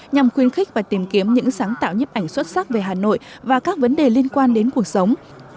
nhằm khuyến khích và tìm kiếm những sáng tạo nhiếp ảnh xuất sắc về hà nội và các vấn đề liên quan đến cuộc sống